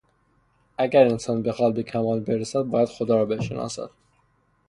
اگر انسان بخواهد به کمال برسد باید خدا را بشناسد.